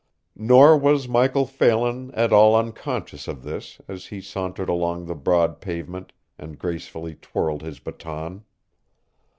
Nor was Michael Phelan at all unconscious of this as he sauntered along the broad pavement and gracefully twirled his baton.